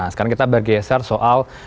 sekarang kita bergeser soal